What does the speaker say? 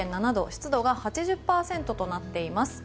湿度が８０％となっています。